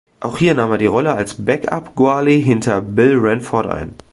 Auch hier nahm er die Rolle als Back-up-Goalie hinter Bill Ranford ein.